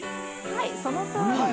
はいそのとおりです。